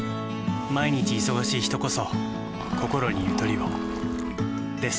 毎日忙しい人こそこころにゆとりをです。